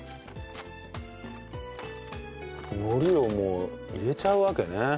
海苔をもう入れちゃうわけね。